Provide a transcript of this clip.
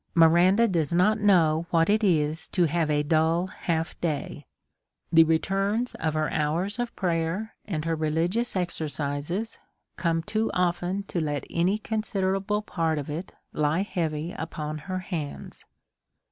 Mi randa does not know what it is to have a dull half day ; the returns of her liours of prayer^ and her religious exercises, come too often to let any considerable part of time lie heavy upon her hands.